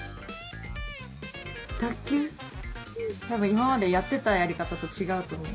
今までやってたやり方と違うと思う。